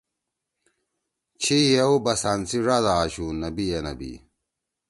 چھی یِیؤ بسان سی ڙاد آشُو نبی اے نبی